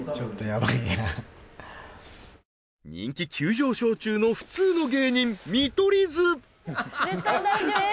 これ人気急上昇中の普通の芸人見取り図ははははっ